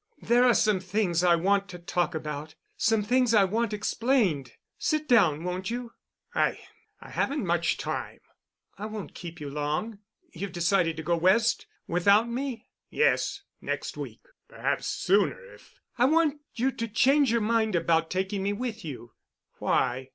There are some things I want to talk about—some things I want explained. Sit down, won't you?" "I—I haven't much time." "I won't keep you long. You've decided to go West—without me?" "Yes, next week. Perhaps sooner if——" "I want you to change your mind about taking me with you." "Why?"